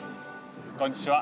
こんにちは。